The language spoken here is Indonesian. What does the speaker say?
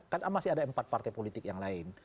kan masih ada empat partai politik yang lain